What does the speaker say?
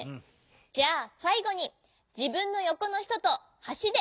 じゃあさいごにじぶんのよこのひととはしでつないでみよう。